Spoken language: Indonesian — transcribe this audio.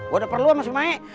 gue udah perlu sama